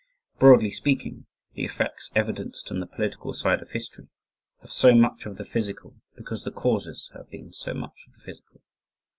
Broadly speaking, the effects evidenced in the political side of history have so much of the physical because the causes have been so much of the physical.